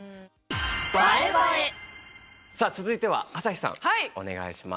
さあ続いては朝日さんお願いします。